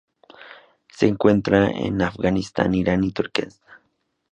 Se encuentra en Afganistán, Irán y Turquestán.